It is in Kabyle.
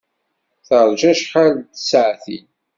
Teṛja acḥal n tsaɛtin.